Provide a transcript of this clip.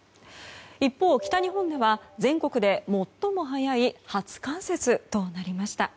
一方、北日本では全国で最も早い初冠雪となりました。